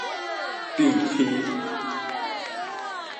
鎮星